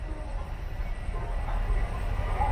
ښوونه د اخلاقو او پوهي ترکیب دی.